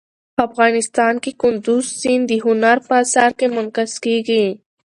افغانستان کې کندز سیند د هنر په اثار کې منعکس کېږي.